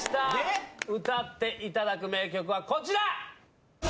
歌っていただく名曲はこちら！